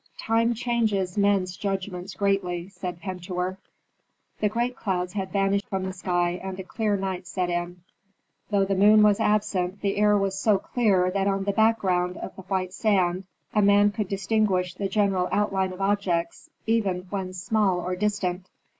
Time changes men's judgments greatly," said Pentuer. The last clouds had vanished from the sky and a clear night set in. Though the moon was absent the air was so clear that on the background of the white sand a man could distinguish the general outline of objects, even when small or distant.